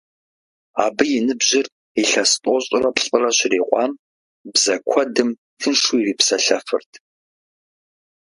Абы и ныбжьыр илъэс тӀощӀрэ плӀырэ щрикъуам, бзэ куэдым тыншу ирипсэлъэфырт.